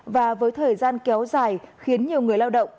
và với thời gian kéo dài khiến nhiều người lao động